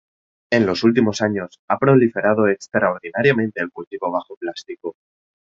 En los últimos años ha proliferado extraordinariamente el cultivo bajo plástico.